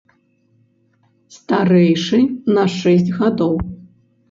Старэйшы на шэсць гадоў.